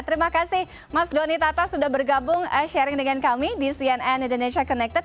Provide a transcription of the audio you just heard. terima kasih mas doni tata sudah bergabung sharing dengan kami di cnn indonesia connected